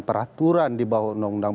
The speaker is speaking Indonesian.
peraturan di bawah undang undang